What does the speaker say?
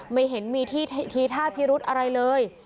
ไม่เห็นมีทีท่าพิรุธอะไรเลย